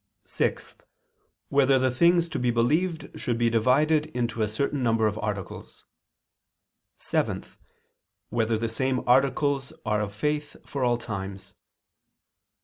(6) Whether the things to be believed should be divided into a certain number of articles? (7) Whether the same articles are of faith for all times?